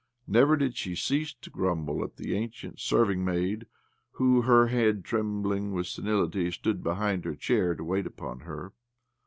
Never did she cease to grumble at the ancient serving maid who, her head trembling with senility, stood behind her chair to wait upon her.